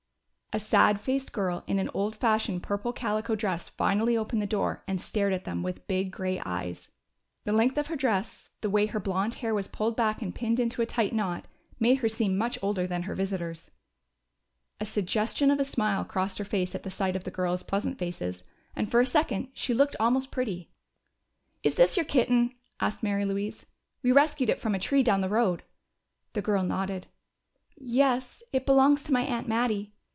A sad faced girl in an old fashioned purple calico dress finally opened the door and stared at them with big gray eyes. The length of her dress, the way her blond hair was pulled back and pinned into a tight knot, made her seem much older than her visitors. A suggestion of a smile crossed her face at the sight of the girls' pleasant faces, and for a second she looked almost pretty. "Is this your kitten?" asked Mary Louise. "We rescued it from a tree down the road." The girl nodded. "Yes. It belongs to my aunt Mattie.